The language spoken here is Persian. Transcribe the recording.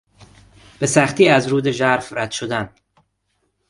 به سختی از رود ژرف رد شدن